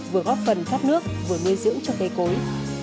vừa góp phần thoát nước vừa nuôi dưỡng cho cây cối